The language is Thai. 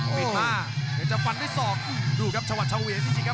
โอ้อีกมากเดี๋ยวจะฟันด้วยสอกดูครับชวัดชาวเวียน